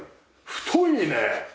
太いね。